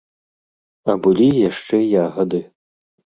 А былі яшчэ ягады.